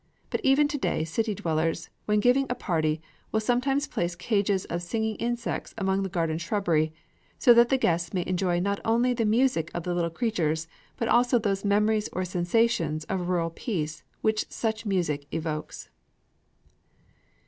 But even to day city dwellers, when giving a party, will sometimes place cages of singing insects among the garden shrubbery, so that the guests may enjoy not only the music of the little creatures, but also those memories or sensations of rural peace which such music evokes.